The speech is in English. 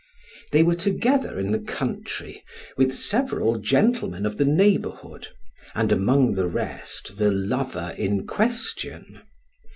They were together in the country, with several gentlemen of the neighborhood, and among the rest the lover in question.